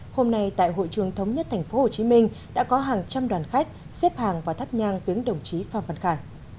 hôm nay tại hội trường thống nhất tp hcm đã có hàng trăm đoàn khách xếp hàng và thắp nhang viếng đồng chí phan văn khả